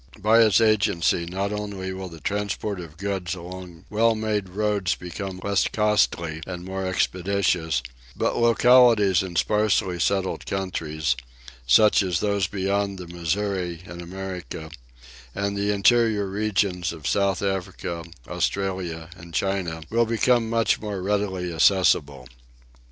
By its agency not only will the transport of goods along well made roads become less costly and more expeditious, but localities in sparsely settled countries such as those beyond the Missouri in America and the interior regions of South Africa, Australia and China will become much more readily accessible.